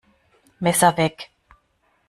Messer weg!